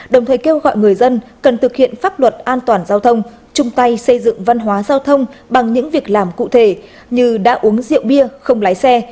đồng thời kêu gọi người dân cần thực hiện pháp luật an toàn giao thông chung tay xây dựng văn hóa giao thông bằng những việc làm cụ thể như đã uống rượu bia không lái xe